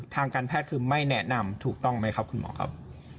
ทางการแพทย์คือไม่แนะนำถูกต้องไหมครับคุณหมอครับ